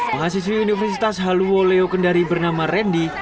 mahasiswa universitas haluo leo kendari bernama randy